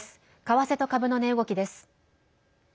為替と株の値動きです。